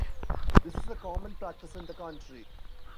This is a common practice in the country.